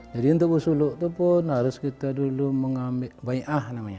jadi untuk bersuluk itu pun harus kita dulu mengambil banyak ah namanya